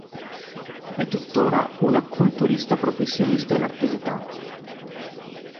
È tuttora una culturista professionista in attività.